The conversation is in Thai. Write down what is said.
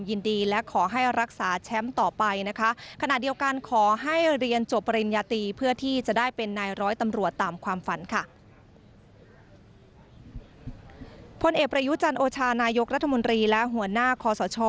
พลเอกประยุจันทร์โอชานายกรัฐมนตรีและหัวหน้าคอสช